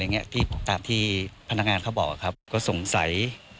ที่ตามที่พนักงานเขาบอกครับก็สงสัย